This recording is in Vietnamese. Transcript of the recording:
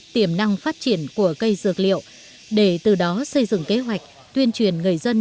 tiềm năng phát triển của cây dược liệu để từ đó xây dựng kế hoạch tuyên truyền người dân